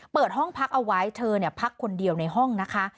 เปิดห้องพักเอาไว้เธอพักคนเดียวในห้องนะคะ